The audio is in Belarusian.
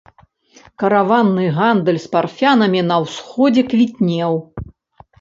Караванны гандаль з парфянамі на ўсходзе квітнеў.